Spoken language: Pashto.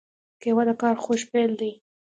قهوه د کار خوږ پیل دی